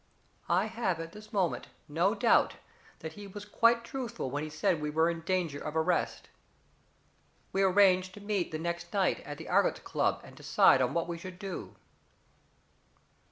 I have at this moment no doubt that he was quite truthful when he said we were in danger of arrest. We arranged to meet the next night at the Argots Club and decide on what we should do.